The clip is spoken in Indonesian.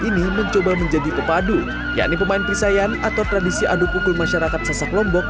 ini mencoba menjadi pepadu yakni pemain perisaian atau tradisi adu pukul masyarakat sasak lombok